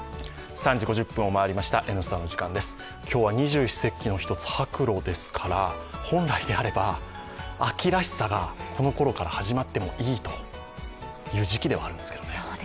今日は二十四節気の一つ白露ですから本来であれば、秋らしさがこの頃から始まってもいいという時期ではあるんですけどね。